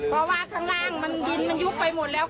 เพราะว่าข้างล่างมันยุบไปหมดแล้วค่ะ